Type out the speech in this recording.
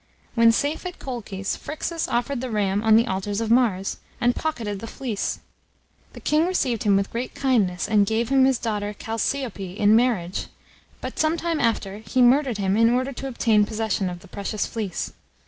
When safe At Colchis, Phryxus offered the ram on the altars of Mars, and pocketed the fleece. The king received him with great kindness, and gave him his daughter Chalciope in marriage; but, some time after, he murdered him in order to obtain possession of the precious fleece.